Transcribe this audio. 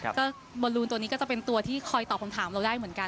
บลูนลูนมือตรงนี้จะเป็นตัวที่คอยตอบคำถามได้เหมือนกัน